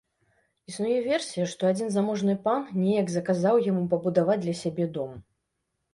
Існуе версія, што адзін заможны пан неяк заказаў яму пабудаваць для сябе дом.